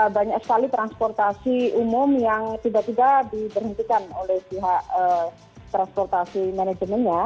banyak sekali transportasi umum yang tiba tiba diberhentikan oleh pihak transportasi manajemennya